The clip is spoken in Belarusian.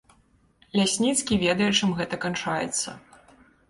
Лясніцкі ведае, чым гэта канчаецца.